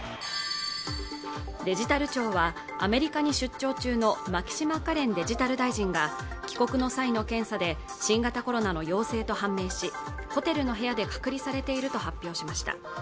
デジタル庁はアメリカに出張中の牧島かれんデジタル大臣が帰国の際の検査で新型コロナの陽性と判明しホテルの部屋で隔離されていると発表しました